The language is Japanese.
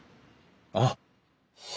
あっ！